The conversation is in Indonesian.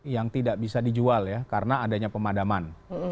yang tidak bisa dijual ya karena adanya pemadaman